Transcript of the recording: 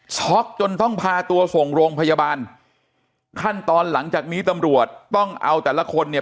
จนต้องพาตัวส่งโรงพยาบาลขั้นตอนหลังจากนี้ตำรวจต้องเอาแต่ละคนเนี่ย